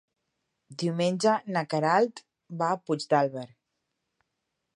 Diumenge na Queralt va a Puigdàlber.